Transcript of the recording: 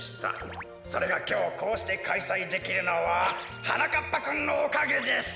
それがきょうこうしてかいさいできるのははなかっぱくんのおかげです！